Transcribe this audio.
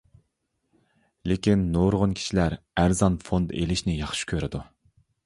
لېكىن نۇرغۇن كىشىلەر ئەرزان فوند ئېلىشنى ياخشى كۆرىدۇ.